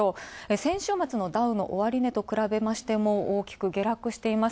先週末の終値と比べましても大きく下落してます。